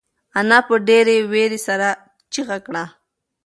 انا په ډېرې وېرې سره چیغه کړه.